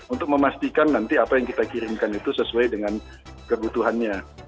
untuk memastikan nanti apa yang kita kirimkan itu sesuai dengan kebutuhannya